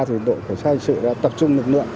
thì đội cảnh sát hình sự đã tập trung lực lượng